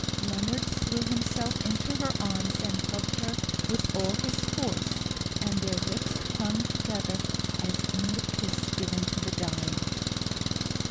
Leonard threw himself into her arms and hugged her with all his force, and their lips clung together as in the kiss given to the dying.